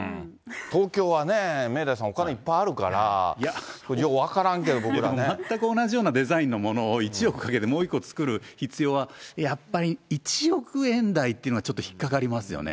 東京はね、明大さん、お金いっぱいあるから、よう分からんけど、僕らね。全く同じようなデザインのものを、１億かけて、もう一個作る必要は、やっぱり１億円台というのがちょっと引っ掛かりますよね。